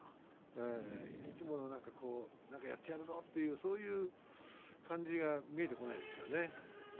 いつもの、やってやるぞという感じが見えてこないですよね。